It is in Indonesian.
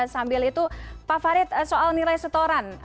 sambil itu pak farid soal nilai setoran